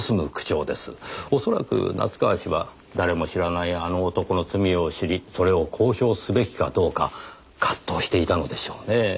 おそらく夏河氏は誰も知らない「あの男」の罪を知りそれを公表すべきかどうか葛藤していたのでしょうねぇ。